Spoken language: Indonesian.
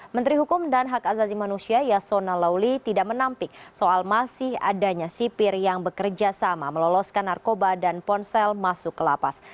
menteri hukum dan hak azazi manusia yasona lauli tidak menampik soal masih adanya sipir yang bekerja sama meloloskan narkoba dan ponsel masuk ke lapas